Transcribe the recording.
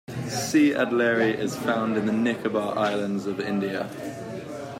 "C. adleri" is found in the Nicobar Islands of India.